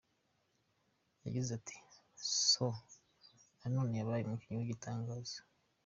Yagize ati: " Son nanone yabaye umukinnyi w'igitangaza.